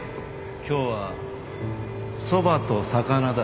今日はそばと魚だ。